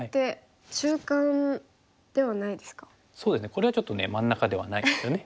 これはちょっとね真ん中ではないんですよね。